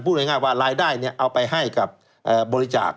พูดง่ายว่ารายได้เอาไปให้กับบริจาค